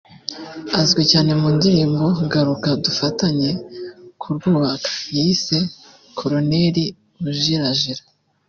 Azwi cyane mu ndirimbo “Garuka dufatanye kurwubaka” yise “Koloneri Ujirajira